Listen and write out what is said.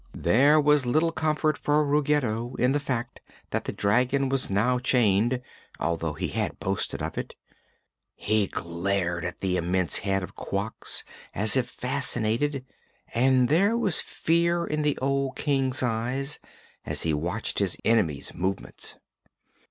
There was little comfort for Ruggedo in the fact that the dragon was now chained, although he had boasted of it. He glared at the immense head of Quox as if fascinated and there was fear in the old King's eyes as he watched his enemy's movements.